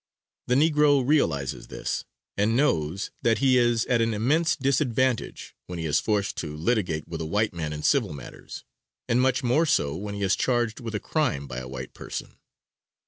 The negro realizes this, and knows that he is at an immense disadvantage when he is forced to litigate with a white man in civil matters, and much more so when he is charged with a crime by a white person.